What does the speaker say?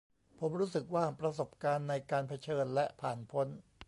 ผมรู้สึกว่า ประสบการณ์ในการ 'เผชิญ' และ 'ผ่านพ้น'